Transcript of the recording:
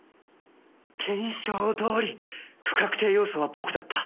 検証どおり不確定要素は僕だった